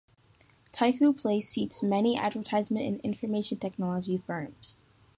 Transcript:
Taikoo Place seats many advertisement and information technology firms.